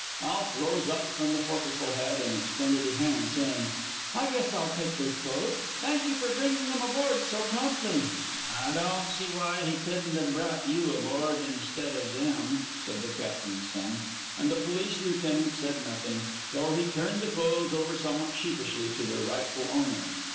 Alf rose up from the forecastle head and extended his hand, saying: "I guess I'll take those clothes. Thank you for bringing them aboard so promptly." "I don't see why he couldn't have brought you aboard inside of them," said the captain's son. And the police lieutenant said nothing, though he turned the clothes over somewhat sheepishly to their rightful owner.